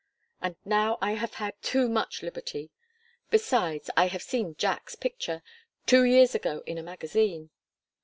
And now I have had too much liberty! Besides, I have seen 'Jack's' picture two years ago, in a magazine.